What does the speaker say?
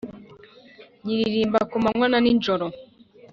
Nyiririmba ku manywa na nijoro,